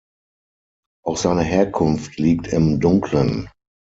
Auch seine Herkunft liegt im Dunklen.